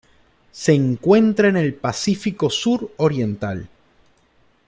Se encuentra en el Pacífico sur oriental.